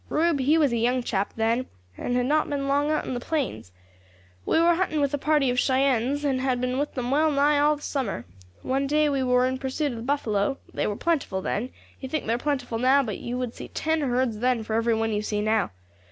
Rube, he was a young chap then, and had not been long out on the plains. We war hunting with a party of Cheyennes, and had been with them well nigh all the summer. One day we war in pursuit of buffalo they were plentiful then; you think they are plentiful now, but you would see ten herds then for every one you see now.